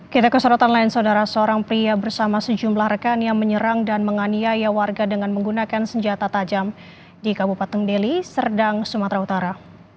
kita ke sorotan lain saudara seorang pria bersama sejumlah rekan yang menyerang dan menganiaya warga dengan menggunakan senjata tajam di kabupaten deli serdang sumatera utara